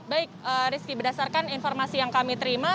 baik rizky berdasarkan informasi yang kami terima